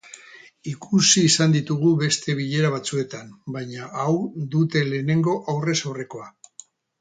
Ikusi izan ditugu beste bilera batzuetan, baina hau dute lehenengo aurrez aurrekoa.